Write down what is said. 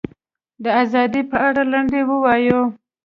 د ازادۍ په اړه لنډۍ ووایي.